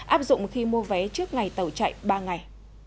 áp dụng khi mua vé trước ngày tàu chạy ba ngày